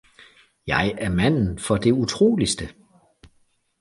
Jeg er manden for det utroligste!